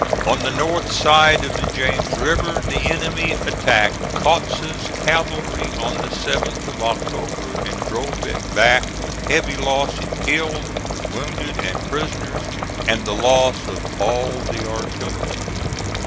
On the north side of the James River the enemy attacked Kautz's cavalry on the 7th of October, and drove it back with heavy loss in killed, wounded and prisoners, and the loss of all the artillery.